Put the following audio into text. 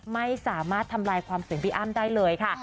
ไม่สามารถทำลายความเสี่ยงพี่อ้ำได้เลยค่ะ